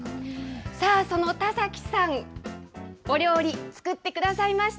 さあ、その田崎さん、お料理作ってくださいました。